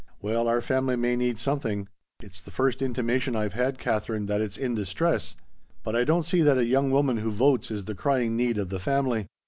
"Well our family may need something; it's the first intimation I've had, Katherine, that it's in distress but I don't see that a young woman who votes is the crying need of the family."